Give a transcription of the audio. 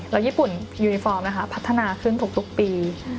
แล้วญี่ปุ่นยูนิฟอร์มนะคะพัฒนาขึ้นทุกปี